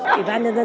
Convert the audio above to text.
vì vậy đơn giản là